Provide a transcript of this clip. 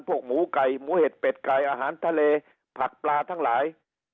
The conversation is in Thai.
หมูไก่หมูเห็ดเป็ดไก่อาหารทะเลผักปลาทั้งหลาย